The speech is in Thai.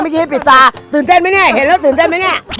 เมื่อกี้ปิดตาตื่นเจนไหมเนี่ยเห็นแล้วตื่นเจนไหมเนี่ย